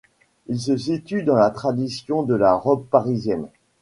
Il se situe dans la tradition de la robe parisienne.